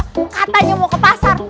katanya mau ke pasar